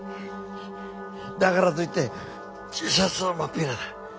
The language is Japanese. だからといって自殺はまっぴらだ。